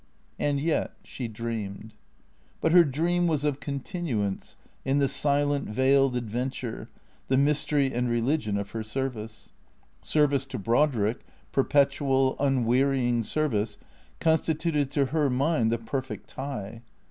And yet she dreamed. But her dream was of continuance in the silent, veiled adventure, the mystery and religion of her service. Service to Brodrick, perpetual, unwearying service, con stituted to her mind the perfect tie.